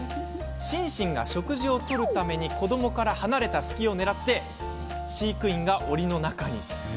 シンシンが食事をとるために子どもから離れた隙をねらって飼育員がおりの中へ。